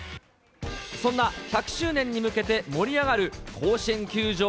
そんな１００周年に向けて、盛り上がる甲子園球場